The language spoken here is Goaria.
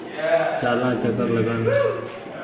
چآلآن چڪر لگآن ۔